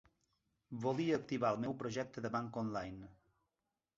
Volia activar el meu projecte de banca online.